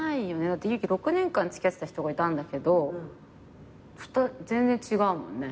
だってゆう姫６年間付き合ってた人がいたけど全然違うもんね。